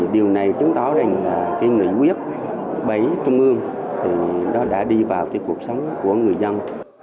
điều này chứng tỏ rằng nghị quyết bảy trung ương đã đi vào cuộc sống của người dân